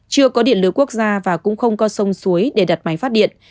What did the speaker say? chưa có điện lưới quốc gia và cũng không có sông suối để đặt máy phát điện